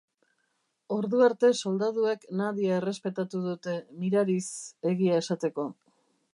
Ordu arte soldaduek Nadia errespetatu dute, mirariz, egia esateko.